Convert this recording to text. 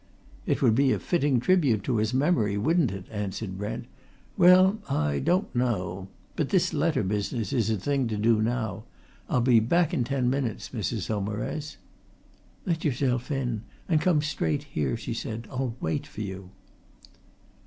"It would be a fitting tribute to his memory, wouldn't it?" answered Brent. "Well, I don't know. But this letter business is the thing to do now. I'll be back in ten minutes, Mrs. Saumarez." "Let yourself in, and come straight here," she said. "I'll wait for you."